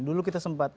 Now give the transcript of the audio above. dulu kita sempat